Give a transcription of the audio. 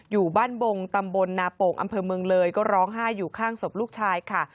อยู่บ้านบงตำบลนาโป่งอำเภอเมืองเลยก็ร้องไห้อยู่ข้างศพลูกชายค่ะ